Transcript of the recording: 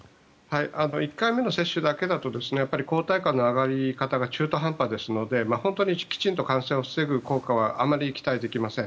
１回目の接種だけだと抗体価の上がり方が中途半端ですので本当にきちんと感染を防ぐ効果はあまり期待できません。